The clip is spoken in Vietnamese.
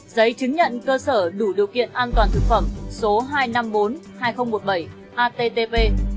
giấy chứng nhận cơ sở đủ điều kiện an toàn thực phẩm số hai trăm năm mươi bốn hai nghìn một mươi bảy attv